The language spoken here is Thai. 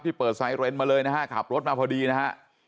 เปิดไซเรนมาเลยนะฮะขับรถมาพอดีนะฮะ